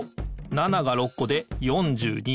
７が６こで４２。